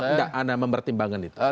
tidak anda mempertimbangkan itu